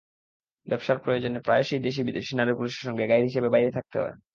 ব্যবসার প্রয়োজনে প্রায়ই দেশি-বিদেশি নারী-পুরুষের সঙ্গে গাইড হিসেবে বাইরে থাকতে হয়।